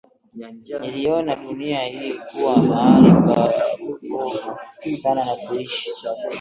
Niliona dunia hii kuwa mahali pabovu sana na kuishi